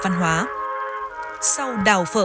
văn hóa sau đào phở